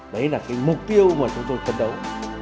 đấy là cái mục tiêu mà chúng tôi phấn đấu